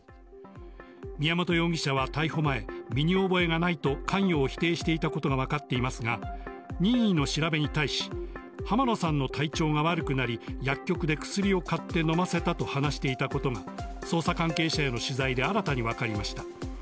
宮本容疑者は逮捕前、身に覚えがないと、関与を否定していたことが分かっていますが、任意の調べに対し、浜野さんの体調が悪くなり、薬局で薬を買って飲ませたと話していたことが、捜査関係者への取材で、新たに分かりました。